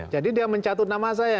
jadi dia mencatut nama saya